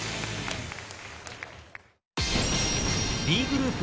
Ｄグループ